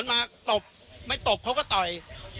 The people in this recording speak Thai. ไม่ตบเค้าก็ต่อย